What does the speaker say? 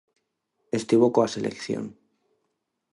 Estivo coa selección.